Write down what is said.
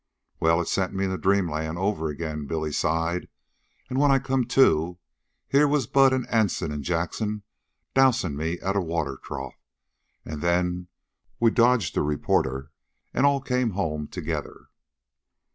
"Well, it sent me into dreamland over again," Billy sighed. "An' when I come to, here was Bud an' Anson an' Jackson dousin' me at a water trough. An' then we dodged a reporter an' all come home together."